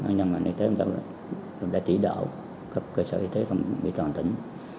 nên ngành y tế đã tỉ đạo cơ sở y tế trong miền toàn tỉnh